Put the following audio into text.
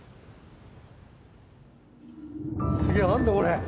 すげえ何だこれ？